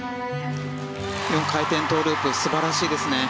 ４回転トウループ素晴らしいですね。